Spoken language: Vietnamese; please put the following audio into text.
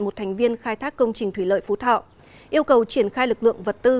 một thành viên khai thác công trình thủy lợi phú thọ yêu cầu triển khai lực lượng vật tư